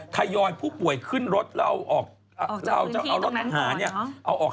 ถ่ายอยผู้ป่วยขึ้นรถแล้วออก